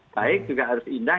baik juga harus indah